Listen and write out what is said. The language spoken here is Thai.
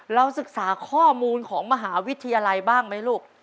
เราศึกษาข้อมูลของมหาวิทยาลัยบ้างไหมลูก